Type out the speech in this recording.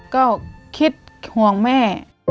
ก็คิดห่วงแม่